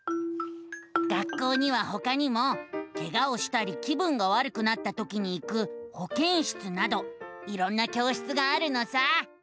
学校にはほかにもケガをしたり気分がわるくなったときに行くほけん室などいろんな教室があるのさ。